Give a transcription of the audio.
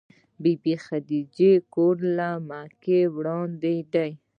د بي بي خدېجې کور له مکې نه وړاندې دی.